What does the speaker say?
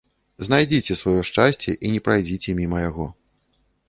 Знайдзіце сваё шчасце і не прайдзіце міма яго.